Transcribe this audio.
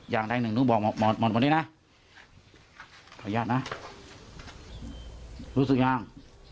อย่างใดหนึ่งหนูบอกหมอหมอหมอดูมานี่น่ะขออนุญาตน่ะรู้สึกยัง